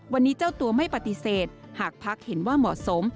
วันนี้เจ้าตัวไม่ปฏิเสธหากภักดิ์เห็นว่าเหมาะสม